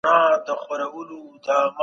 استازي د سولي په خبرو کي څه غواړي؟